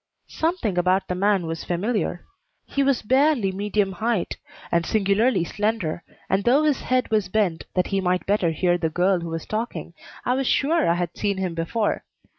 Something about the man was familiar. He was barely medium height, and singularly slender, and though his head was bent that he might better hear the girl who was talking, I was sure I had seen him before.